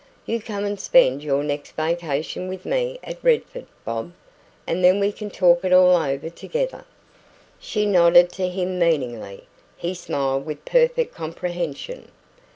You come and spend your next vacation with me at Redford, Bob, and then we can talk it all over together." She nodded to him meaningly. He smiled with perfect comprehension.